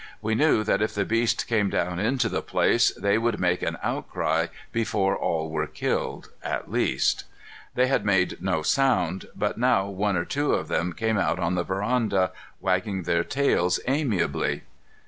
We knew that if the beast came down into the place, they would make an outcry before all were killed, at least. They had made no sound, but now one or two of them came out on the veranda, wagging their tails amiably.